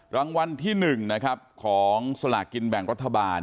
รางวัลที่๑ของสลากกินแบ่งรัฐบาล